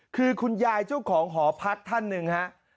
คือคุณยายเจ้าของหอพักท่านหนึ่งฮะ